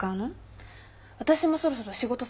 私もそろそろ仕事探さないと。